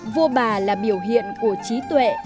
vua bà là biểu hiện của trí tuệ